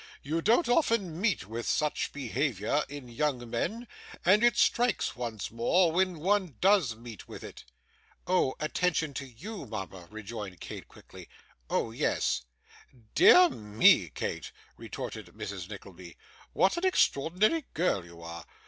You don't often meet with such behaviour in young men, and it strikes one more when one does meet with it.' 'Oh! attention to YOU, mama,' rejoined Kate quickly 'oh yes.' 'Dear me, Kate,' retorted Mrs. Nickleby, 'what an extraordinary girl you are!